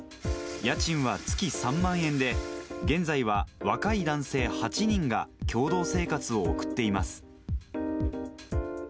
家賃は月３万円で、現在は若い男性８人が共同生活を送っています。